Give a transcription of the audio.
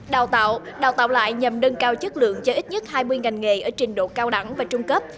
đào tạo đào tạo lại nhằm nâng cao chất lượng cho ít nhất hai mươi ngành nghề ở trình độ cao đẳng và trung cấp